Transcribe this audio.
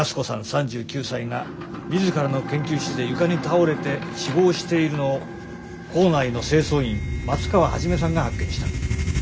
３９歳が自らの研究室で床に倒れて死亡しているのを構内の清掃員松川一さんが発見した。